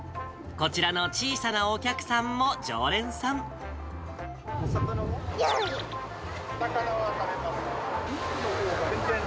こちらの小さなお客さんも常魚は？